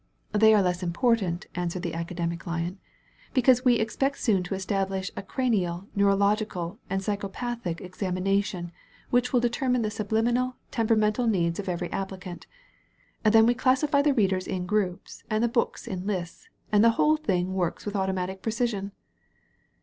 "They are less important," answered the Aca demic Lion. "Besides we expect soon to establish a cranial, neurological, and psychopathic examina tion which will determine the subliminal, tempera mental needs of every appUcant. Then we classify the readers in groups, and the books in lists, and the whole thing works with automatic precision."